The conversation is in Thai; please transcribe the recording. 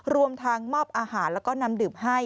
รวมทางมอบอาหารแล้วก็น้ำดื่มให้